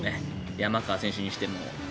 山川選手にしても。